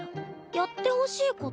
やってほしいこと？